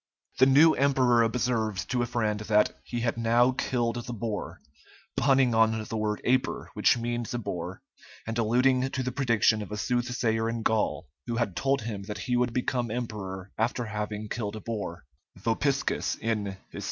The new emperor observed to a friend that "he had now killed the boar," punning on the word Aper, which means a boar, and alluding to the prediction of a soothsayer in Gaul, who had told him that he would become emperor after having killed a boar (Vopiscus, in "Hist.